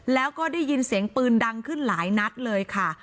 แล้วก็ได้ยินเสียงปืนดังขึ้นหลายนัดเลยค่ะ